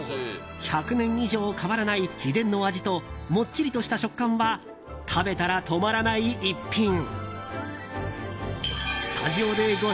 １００年以上変わらない秘伝の味ともっちりとした食感は食べたら止まらない逸品。